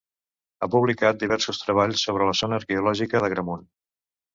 Ha publicat diversos treballs sobre la zona arqueològica d'Agramunt.